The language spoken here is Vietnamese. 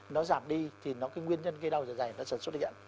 nó giảm đi thì nó cái nguyên nhân gây đau giả giải nó sẽ xuất hiện